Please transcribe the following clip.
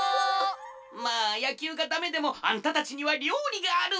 まあやきゅうがダメでもあんたたちにはりょうりがある！